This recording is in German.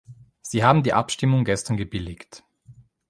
Sie haben die Abstimmung gestern gebilligt.